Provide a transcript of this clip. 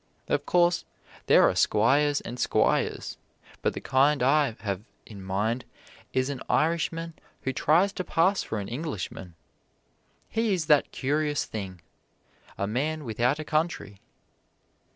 Of course, there are squires and squires, but the kind I have in mind is an Irishman who tries to pass for an Englishman. He is that curious thing a man without a country.